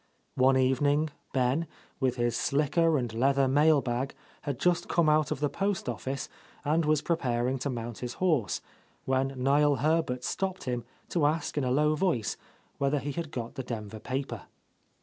One evening Ben, with his slicker and leather mailbag, had just come out of the post office and was preparing to mount his horse, when Niel Herbert stopped him to ask in a low 'i^oice whether he had got the Denver paper.